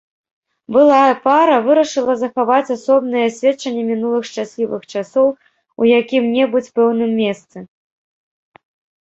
Былая пара вырашыла захаваць асобныя сведчанні мінулых шчаслівых часоў у якім-небудзь пэўным месцы.